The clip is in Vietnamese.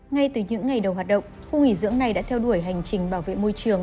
ngay từ những ngày đầu hoạt động khu nghỉ dưỡng này đã theo đuổi hành trình bảo vệ môi trường